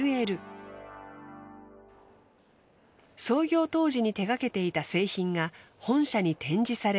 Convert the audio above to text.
創業当時に手がけていた製品が本社に展示されています。